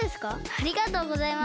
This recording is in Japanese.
ありがとうございます。